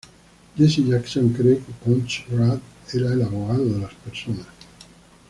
Jesse Jackson cree que Cochran era el "abogado de las personas.